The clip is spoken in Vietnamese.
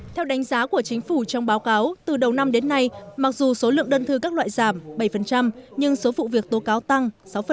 theo đánh giá của chính phủ trong báo cáo từ đầu năm đến nay mặc dù số lượng đơn thư các loại giảm bảy nhưng số vụ việc tố cáo tăng sáu